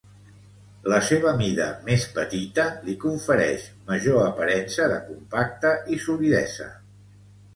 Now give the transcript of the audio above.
La seva mida més petita, li confereix major aparença de compacte i solidesa.